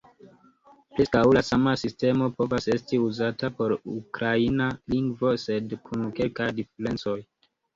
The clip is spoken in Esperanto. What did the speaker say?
Preskaŭ la sama sistemo povas esti uzata por ukraina lingvo, sed kun kelkaj diferencoj.